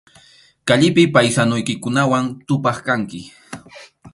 Kallipi paysanuykikunawan tupaq kanki.